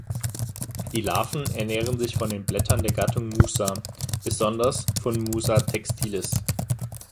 Die Larven ernähren sich von den Blättern der Gattung „Musa“, besonders von „Musa textilis“.